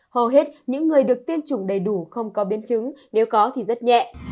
hầu hết những người được tiêm chủng đầy đủ không có biến chứng nếu có thì rất nhẹ